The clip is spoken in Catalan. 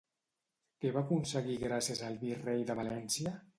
Què va aconseguir gràcies al virrei de València?